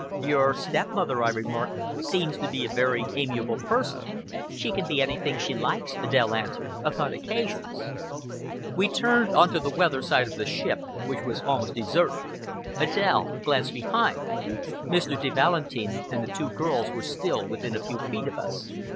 "Your stepmother," I remarked, "seems to be a very amiable person!" "She can be anything she likes," Adèle answered "upon occasions." We turned on to the weather side of the ship, which was almost deserted. Adèle glanced behind. Mr. de Valentin and the two girls were still within a few feet of us.